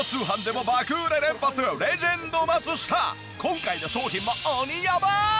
今回の商品も鬼やばい！